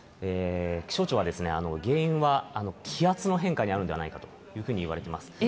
気象庁は原因は気圧の変化にあるんではないかというふうに言われています。